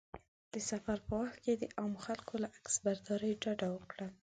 د سفر په وخت کې د عامو خلکو له عکسبرداري ډډه وکړه.